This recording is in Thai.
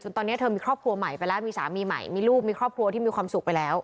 ตอนนี้เธอมีครอบครัวใหม่ไปแล้วมีสามีใหม่มีลูกมีครอบครัวที่มีความสุขไปแล้ว